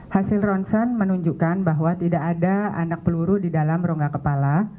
hasil ronsen menunjukkan bahwa tidak ada anak peluru di dalam rongga kepala